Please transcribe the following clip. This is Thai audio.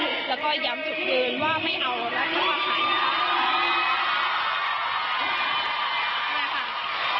และก็ย้ำฉุกเงินว่าไม่เอารักษาความปลอดภัยนะคะ